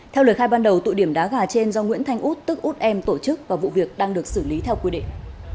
theo lời khai ban đầu tụ điểm đá gà trên do nguyễn thanh út tức út em tổ chức và vụ việc đang được xử lý theo quy định